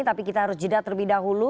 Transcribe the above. tapi kita harus jeda terlebih dahulu